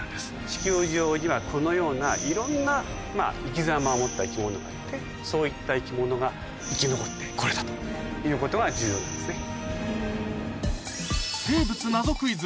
地球上にはこのようないろんな生きざまを持った生き物がいてそういった生き物が生き残って来れたということが重要なんですね。